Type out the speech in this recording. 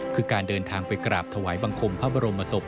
คือการเดินทางไปกราบถวายบังคมพระบรมศพ